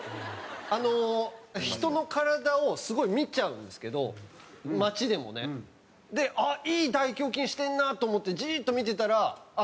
あの人の体をすごい見ちゃうんですけど街でもね。いい大胸筋してるなと思ってじーっと見てたら。